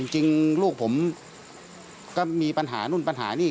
จริงลูกผมก็มีปัญหานู่นปัญหานี่